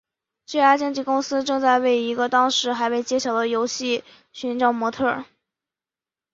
这家经纪公司正在为一个当时还未揭晓的游戏寻找模特儿。